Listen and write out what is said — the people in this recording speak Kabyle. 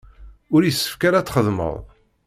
Ur yessefk ara ad txedmeḍ.